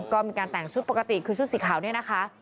ก็มีการแต่งชุดปกติคือชุดสีขาวเนี่ยนะคะ